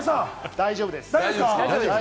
大丈夫です。